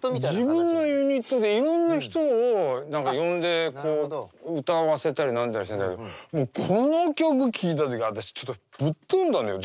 自分のユニットでいろんな人を呼んで歌わせたり何だりしてんだけどもうこの曲聴いた時私ちょっとぶっ飛んだのよ。